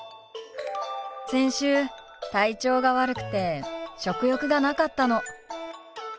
先週体調が悪くて食欲がなかったの。